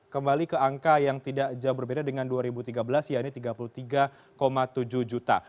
kembali ke angka yang tidak jauh berbeda dengan dua ribu tiga belas ya ini tiga puluh tiga tujuh juta